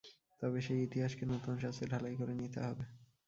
তবে সেই ইতিহাসকে নূতন ছাঁচে ঢালাই করে নিতে হবে।